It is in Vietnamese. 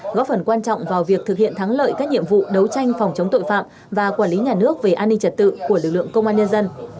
góp phần quan trọng vào việc thực hiện thắng lợi các nhiệm vụ đấu tranh phòng chống tội phạm và quản lý nhà nước về an ninh trật tự của lực lượng công an nhân dân